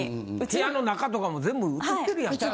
部屋の中とかも全部映ってるやん。